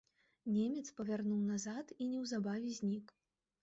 Немец павярнуў назад і неўзабаве знік.